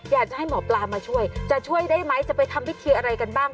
อยากจะให้หมอปลามาช่วยจะช่วยได้ไหมจะไปทำพิธีอะไรกันบ้าง